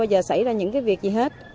không bao giờ xảy ra những cái việc gì hết